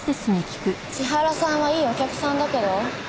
千原さんはいいお客さんだけど？